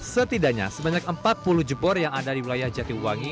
setidaknya sebanyak empat puluh jebor yang ada di wilayah jatiwangi